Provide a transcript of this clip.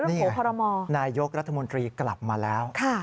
นี่นายกรัฐมนตรีกลับมาแล้ว